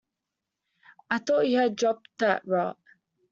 I thought you had dropped that rot.